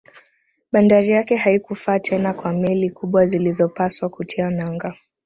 Bandari yake haikufaa tena kwa meli kubwa zilizopaswa kutia nanga